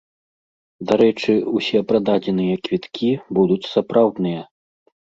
Дарэчы, усе прададзеныя квіткі будуць сапраўдныя.